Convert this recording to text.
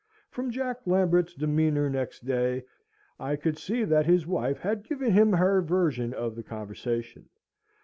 From Jack Lambert's demeanour next day, I could see that his wife had given him her version of the conversation.